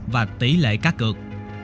và tỷ lệ cá cược